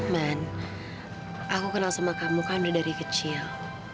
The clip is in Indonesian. man aku kenal sama kamu kan udah dari kecil